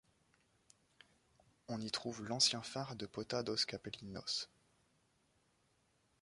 On y trouve l'ancien phare de Ponta dos Capelinhos.